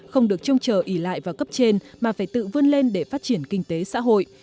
không được trông chờ ỉ lại vào cấp trên mà phải tự vươn lên để phát triển kinh tế xã hội